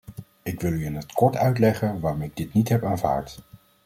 Ik wil u in het kort uitleggen waarom ik dit niet heb aanvaard.